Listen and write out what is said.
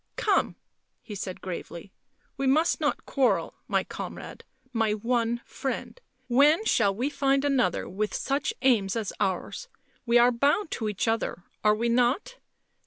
" Come," he said gravely. "We must not quarrel, my comrade, my one friend ... when shall we find another with such aims as ours ... we are bound to each other, are we not?